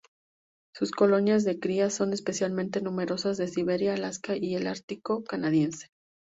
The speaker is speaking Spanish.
Sus colonias de cría son especialmente numerosas de Siberia, Alaska y el Ártico canadiense.